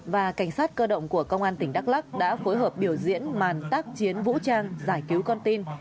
và cảnh sát cơ động của công an tỉnh đắk lắc đã phối hợp biểu diễn màn tác chiến vũ trang giải cứu con tin